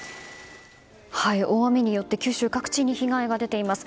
大雨によって九州各地に被害が出ています。